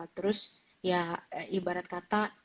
terus ya ibarat kata